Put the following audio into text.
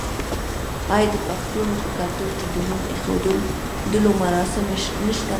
آیا د پښتنو په کلتور کې د نوم ایښودلو مراسم نشته؟